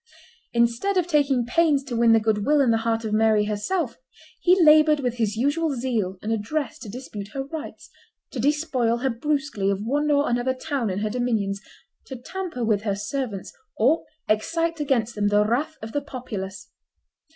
Instead of taking pains to win the good will and the heart of Mary herself, he labored with his usual zeal and address to dispute her rights, to despoil her brusquely of one or another town in her dominions, to tamper with her servants, or excite against them the wrath of the populace.